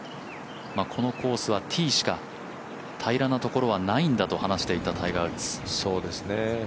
このコースはティーしか、平らなところはないんだと話しています。